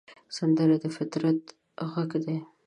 سندره د فطرت غږ دی